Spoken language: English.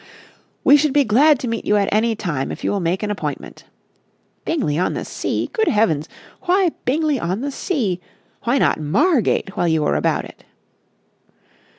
'We should be glad to meet you at any time, if you will make an appointment....' Bingley on the Sea! Good heavens! Why Bingley on the Sea? Why not Margate while you were about it?"